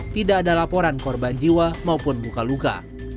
tidak ada laporan korban jiwa maupun luka luka